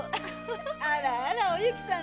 あらあらおゆきさん